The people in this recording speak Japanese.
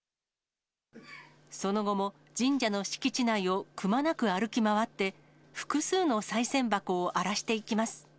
その後も神社の敷地内をくまなく歩き回って、複数のさい銭箱を荒らしていきます。